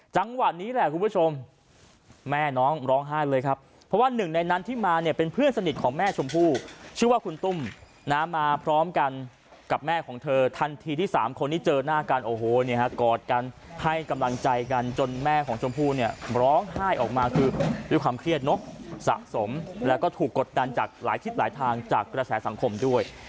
จังหวะนี้แหละคุณผู้ชมแม่น้องร้องไห้เลยครับเพราะว่าหนึ่งในนั้นที่มาเนี่ยเป็นเพื่อนสนิทของแม่ชมพู่ชื่อว่าคุณตุ้มนะมาพร้อมกันกับแม่ของเธอทันทีที่สามคนที่เจอหน้ากันโอ้โหเนี่ยฮะกอดกันให้กำลังใจกันจนแม่ของชมพู่เนี่ยร้องไห้ออกมาคือด้วยความเครียดเนอะสะสมแล้วก็ถูกกดดันจากหลายทิศหลายทางจากกระแสสังคมด้วย